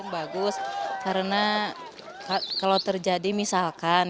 bagus karena kalau terjadi misalkan